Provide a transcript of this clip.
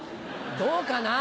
どうかな。